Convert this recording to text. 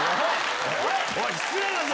おい失礼だぞ！